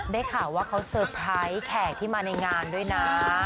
ได้ข่าวว่าเขาสุดท้ายแขกที่มาในงานด้วยนะ